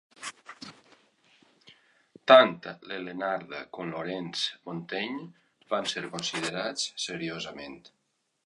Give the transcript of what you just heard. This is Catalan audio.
Tant Len Lenard com Lawrence Montaigne van ser considerats seriosament.